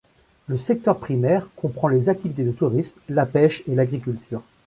Le secteur primaire comprend les activités de tourisme, la pêche et l'agriculture.